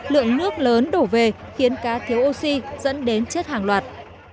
lượng nước lớn đổ về khiến cá thiếu oxy dẫn đến chết hàng loạt